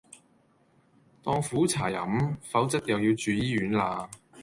當苦茶喝，否則又要住醫院啦